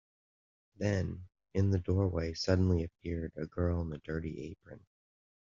Then, in the doorway suddenly appeared a girl in a dirty apron.